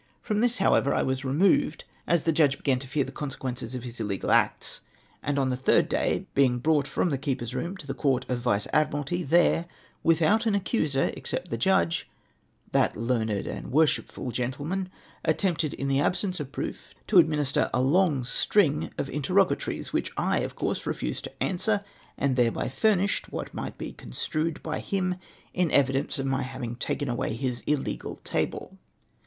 From this, however, I was removed, as the judge began to fear the consequences of his illegal acts; and on the third day, being brought from the keeper's room to the Court of Vice Admiralty, there, without an accuser, except the judge, that learned and worshipful gentleman attemjDted in the absence of proof to administer a long string of interrogatories, which I, of course, refused to answer, and thereby furnished what might be construed by him into evi dence of my having taken away his illegal table.